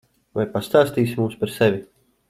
Vai pastāstīsi mums par sevi?